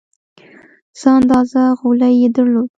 څه اندازه غولی یې درلود.